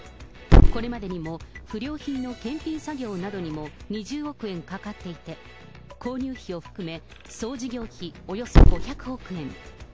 これまでにも不良品の検品作業などにも２０億円かかっていて、購入費を含め、総事業費およそ５００億円。